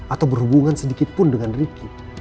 atau berhubungan sedikit pun dengan ricky